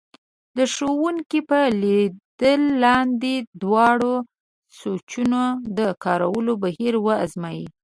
د ښوونکي په لید لاندې د دواړو سویچونو د کارولو بهیر وازمایئ.